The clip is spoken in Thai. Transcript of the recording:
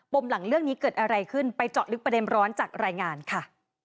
มหลังเรื่องนี้เกิดอะไรขึ้นไปเจาะลึกประเด็นร้อนจากรายงานค่ะ